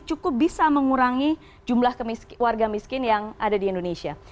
cukup bisa mengurangi jumlah warga miskin yang ada di indonesia